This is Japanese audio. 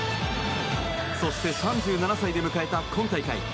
そして３７歳で迎えた今大会。